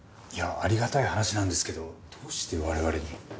いやありがたい話なんですけどどうして我々に？